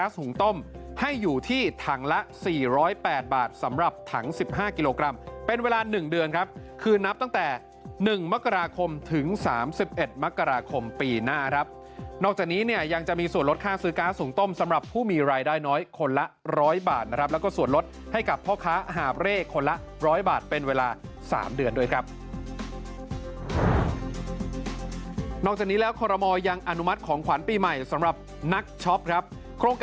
สูงต้มให้อยู่ที่ถังละ๔๐๘บาทสำหรับถัง๑๕กิโลกรัมเป็นเวลา๑เดือนครับคือนับตั้งแต่๑มกราคมถึง๓๑มกราคมปีหน้าครับนอกจากนี้เนี่ยยังจะมีส่วนลดค่าซื้อก๊าซสูงต้มสำหรับผู้มีรายได้น้อยคนละร้อยบาทนะครับแล้วก็ส่วนลดให้กับพ่อค้าหาบเร่คนละร้อยบาทเป็นเวลา๓เดือนด้วยครับนอกจากนี้แล้วคอรมอลยังอนุมัติของขวัญปีใหม่สำหรับนักช็อปครับ